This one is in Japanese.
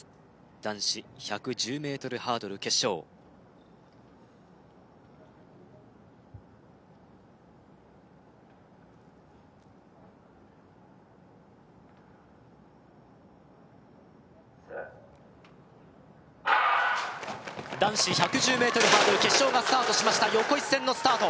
男子１１０ｍハードル決勝Ｓｅｔ男子１１０ｍハードル決勝がスタートしました横一線のスタート